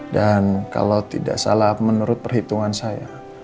dan kalau tidak salah menurut perhitungan saya